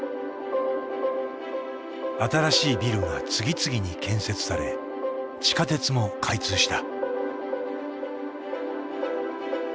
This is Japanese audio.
新しいビルが次々に建設され地下鉄も開通した。